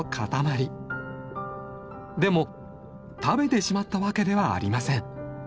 でも食べてしまったわけではありません。